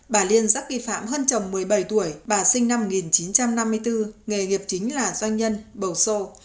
bà liên giác nghi phạm hơn chồng một mươi bảy tuổi bà sinh năm một nghìn chín trăm năm mươi bốn nghề nghiệp chính là doanh nhân bầu sô